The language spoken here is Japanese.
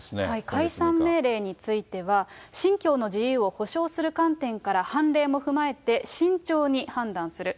解散命令については、信教の自由を保障する観点から判例も踏まえて慎重に判断する。